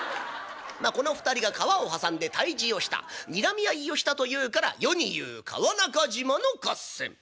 「まあこの２人が川を挟んで対峙をしたにらみ合いをしたというから世に言う川中島の合戦。